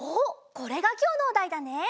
これがきょうのおだいだね。